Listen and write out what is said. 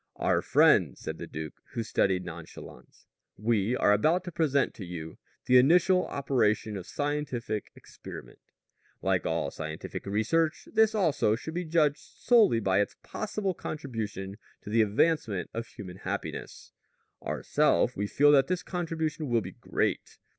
"Our friends," said the duke, with studied nonchalance, "we are about to present to you the initial operation of scientific experiment. Like all scientific research, this also should be judged solely by its possible contribution to the advancement of human happiness. Ourself, we feel that this contribution will be great.